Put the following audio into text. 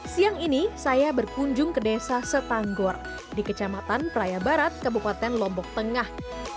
siang ini saya berkunjung ke desa setanggor di kecamatan praia barat kabupaten lombok tengah